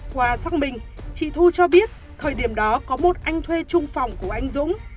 qua xác minh chị thu cho biết thời điểm đó có một anh thuê trung phòng của anh dũng